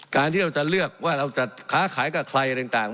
ที่เราจะเลือกว่าเราจะค้าขายกับใครอะไรต่าง